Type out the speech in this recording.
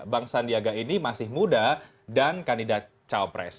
bang sandiaga ini masih muda dan kandidat cawapres